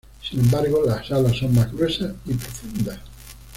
Sin embargo las alas son más gruesas y profundas.